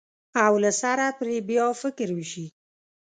او له سره پرې بیا فکر وشي.